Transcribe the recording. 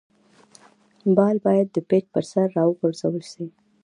بال باید د پيچ پر سر راوغورځول سي.